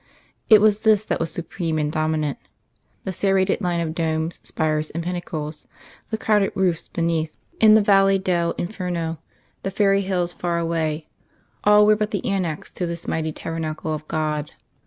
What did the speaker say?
It was this that was supreme and dominant; the serrated line of domes, spires and pinnacles, the crowded roofs beneath, in the valley dell' Inferno, the fairy hills far away all were but the annexe to this mighty tabernacle of God.